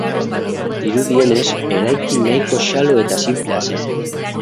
Dirudienez, eraikin nahiko xalo eta sinplea zen.